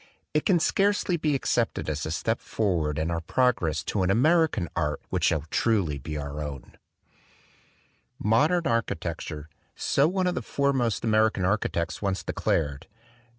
It can scarcely be accepted as a step forward in our progress to an American art which shall be truly our own III "MODERN architecture," so one of the fore most of American architects once declare*!